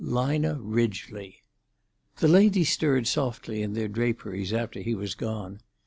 "Lina Ridgely." The ladies stirred softly in their draperies after he was gone.